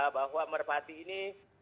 bahwa merpati ini